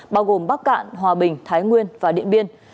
bao gồm bắc cạn hòa bình thái nguyên và điện biên